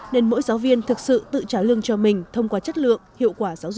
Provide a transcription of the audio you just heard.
nên mỗi giáo viên thực sự tự trả lương cho mình thông qua chất lượng hiệu quả giáo dục